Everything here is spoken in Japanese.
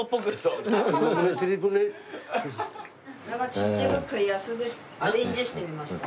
ちっちゃく食いやすくアレンジしてみました。